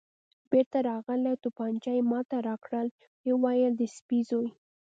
بېرته راغلی او تومانچه یې ما ته راکړل، ویې ویل: د سپي زوی.